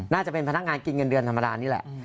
น่าจะเป็นพนักงานกินเงินเดือนธรรมดานี่แหละ